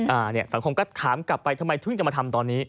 อ่าสังคมก็ถามกลับไปทำไมทุกคนจะทำตอนนี้